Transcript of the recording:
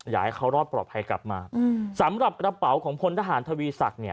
อยากให้เขารอดปลอดภัยกลับมาสำหรับกระเป๋าของพลทหารทวีศักดิ์